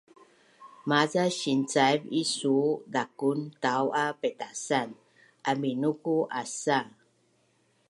maca sincaiv isu zakun taau a paitasan aminuku asa